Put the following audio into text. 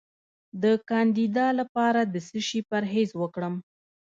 د کاندیدا لپاره د څه شي پرهیز وکړم؟